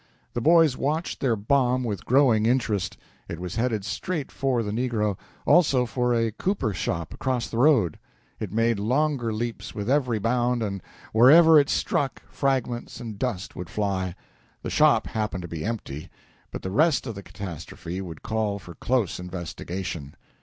The boys watched their bomb with growing interest. It was headed straight for the negro, also for a cooper shop across the road. It made longer leaps with every bound, and, wherever it struck, fragments and dust would fly. The shop happened to be empty, but the rest of the catastrophe would call for close investigation.